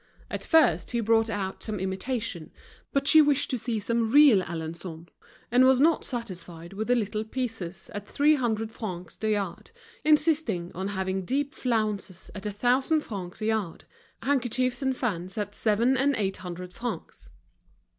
At first he brought out some imitation; but she wished to see some real Alençon, and was not satisfied with the little pieces at three hundred francs the yard, insisting on having deep flounces at a thousand francs a yard, handkerchiefs and fans at seven and eight hundred francs.